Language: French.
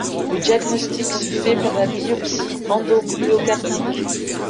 Le diagnostic se fait par la biopsie endomyocardique.